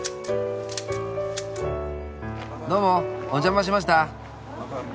どうもお邪魔しました。